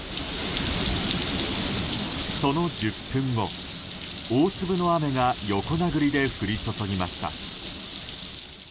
その１０分後、大粒の雨が横殴りで降り注ぎました。